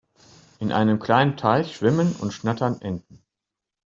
In einem kleinen Teich schwimmen und schnattern Enten.